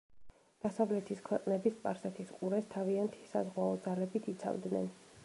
დასავლეთის ქვეყნები სპარსეთის ყურეს თავიანთი საზღვაო ძალებით იცავდნენ.